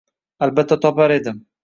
Albatta topar edim